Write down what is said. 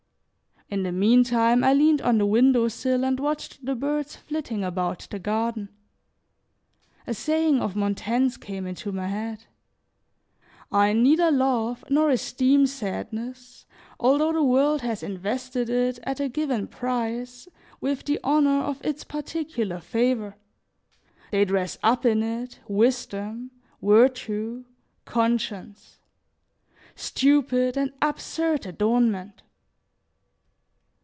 In the meantime, I leaned on the window sill and watched the birds flitting about the garden. A saying of Montaigne's came into my head: "I neither love nor esteem sadness although the world has invested it, at a given price, with the honor of its particular favor. They dress up in it wisdom, virtue, conscience. Stupid and absurd adornment."